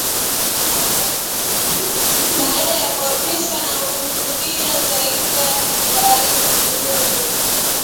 Baada ya kuapishwa na kuhutubia taifa Rais Suluhu